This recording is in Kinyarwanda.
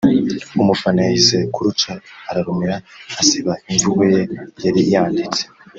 umufana yahisemo kuruca ararumira asiba imvugo ye yari yanditse